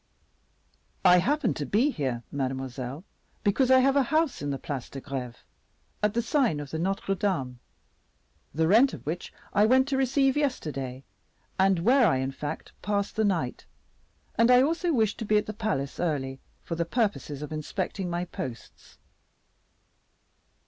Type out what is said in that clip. "I happened to be here, mademoiselle, because I have a house in the Place de Greve, at the sign of the Notre Dame, the rent of which I went to receive yesterday, and where I, in fact, passed the night. And I also wished to be at the palace early, for the purposes of inspecting my posts."